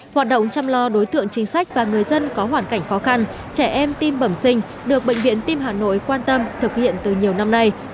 hoạt động chăm lo đối tượng chính sách và người dân có hoàn cảnh khó khăn trẻ em tim bẩm sinh được bệnh viện tim hà nội quan tâm thực hiện từ nhiều năm nay